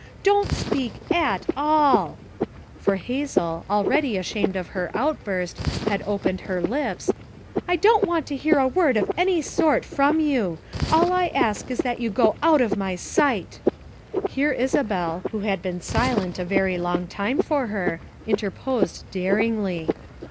Don't speak at alll" for Hazel, already ashamed of her outburst, had opened her lips — "I don't want to hear a 236 FOUR MOTHERS AT CHAUTAUQUA word of any sort from you; all I ask is that you go out of my sight. " Here Isabel, who had been silent a very long time for her, interposed daringly.